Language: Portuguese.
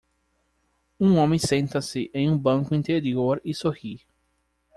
Um homem senta-se em um banco interior e sorri.